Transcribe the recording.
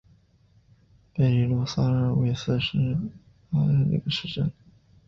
里贝鲁贡萨尔维斯是巴西皮奥伊州的一个市镇。